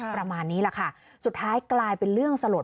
ประมาณนี้แหละค่ะสุดท้ายกลายเป็นเรื่องสลด